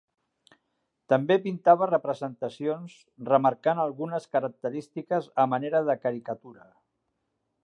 També pintava representacions remarcant algunes característiques a manera de caricatura.